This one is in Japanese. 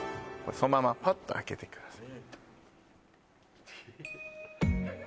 そのままパッと開けてください